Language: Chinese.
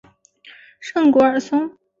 圣古尔松。